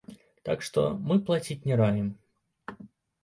Так што, мы плаціць не раім.